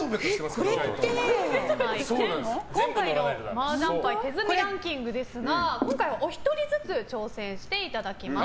今回の麻雀牌手積みランキングですが今回はお一人ずつ挑戦していただきます。